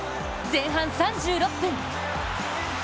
前半３６分。